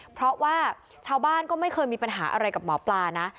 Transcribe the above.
เพราะว่าชาวบ้านก็ไม่เคยมีปัญหาอะไรกับหมอปลานะ